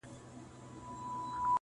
فضا له وېري او ظلم ډکه ده او درنه ده,